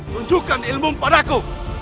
tunjukkan ilmu padaku